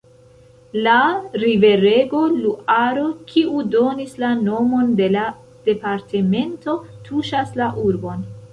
La riverego Luaro, kiu donis la nomon de la departemento, tuŝas la urbon.